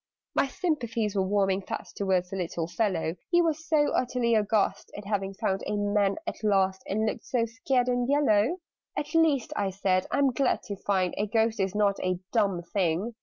My sympathies were warming fast Towards the little fellow: He was so utterly aghast At having found a Man at last, And looked so scared and yellow. [Illustration: "IN CAVERNS BY THE WATER SIDE"] "At least," I said, "I'm glad to find A Ghost is not a dumb thing!